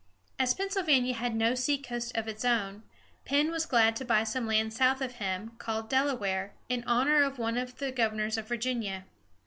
As Pennsylvania had no seacoast of its own, Penn was glad to buy some land south of him, called Del´a ware, in honor of one of the governors of Virginia.